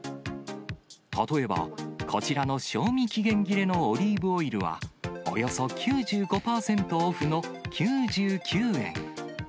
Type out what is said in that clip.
例えば、こちらの賞味期限切れのオリーブオイルは、およそ９５％オフの９９円。